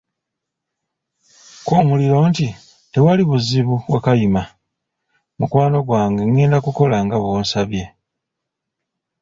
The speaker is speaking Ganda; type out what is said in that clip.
K'omuliro nti, tewali buzibu, Wakayima, mukwano gwange ngenda kukola nga bw'osabye.